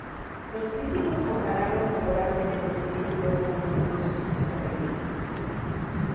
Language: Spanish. Los críticos compararon favorablemente el título como un digno sucesor de Limbo.